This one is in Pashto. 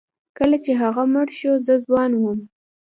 کله چې هغه مړ شو زه ځوان وم.